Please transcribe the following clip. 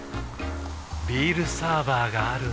ビールサーバーがある夏。